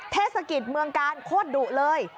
เทศกิจเมืองกาลโคตรดุเลย